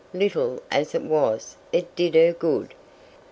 Little as it was, it did her good.